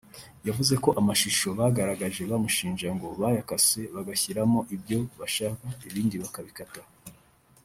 yavuze ko amashusho bagaragaje bamushinja ngo bayakase bagashyiramo ibyo bashaka ibindi bakabikata